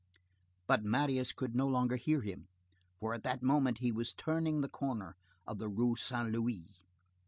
But Marius could no longer hear him, for at that moment he was turning the corner of the Rue Saint Louis.